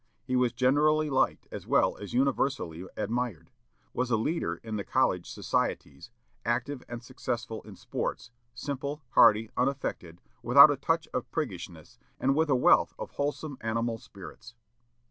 He was generally liked as well as universally admired, was a leader in the college societies, active and successful in sports, simple, hearty, unaffected, without a touch of priggishness, and with a wealth of wholesome animal spirits."